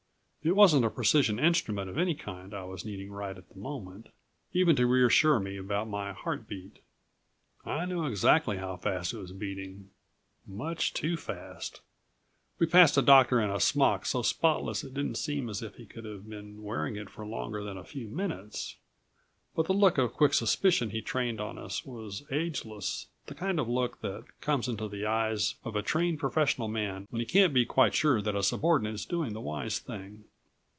It wasn't a precision instrument of any kind I was needing right at that moment even to reassure me about my heart beat. I knew exactly how fast it was beating much too fast. We passed a doctor in a smock so spotless it didn't seem as if he could have been wearing it for longer than a few minutes. But the look of quick suspicion he trained on us was ageless, the kind of look that comes into the eyes of a trained professional man when he can't be quite sure that a subordinate is doing the wise thing.